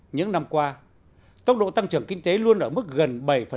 những năm qua tốc độ tăng trưởng kinh tế luôn ở mức gần bảy